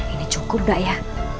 ini cukup gak ya